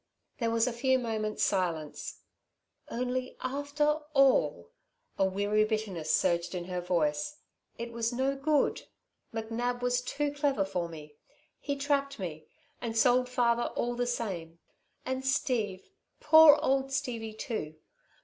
There was a few moments' silence. "Only after all" a weary bitterness surged in her voice "it was no good. McNab was too clever for me. He trapped me and sold father all the same and Steve, poor old Stevie, too.